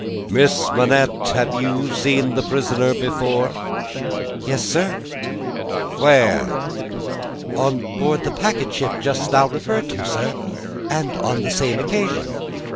"Miss Manette, have you seen the prisoner before?" "Yes, sir." "Where?" "On board of the packet ship just now referred to, sir, and on the same occasion."